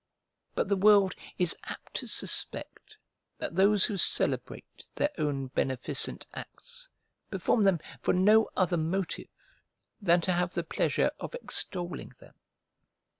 But the world is apt to suspect that those who celebrate their own beneficent acts performed them for no other motive than to have the pleasure of extolling them.